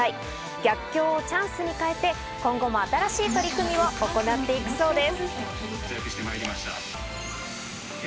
逆境をチャンスに変えて、今後も新しい取り組みを行っていくそうです。